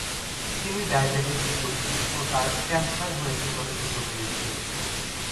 তিনি ডায়াবেটিক রোগী ও তার ক্যান্সার হয়েছে বলে গুজব রয়েছে।